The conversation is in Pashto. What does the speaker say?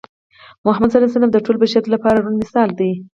محمد ص د ټول بشریت لپاره روڼ مشال دی.